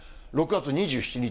６月２７日。